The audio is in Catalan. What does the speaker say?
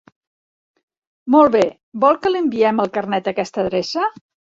Molt bé, vol que li enviem el Carnet a aquesta adreça?